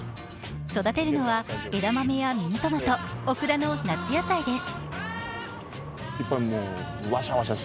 育てるのは枝豆やミニトマトオクラの夏野菜です。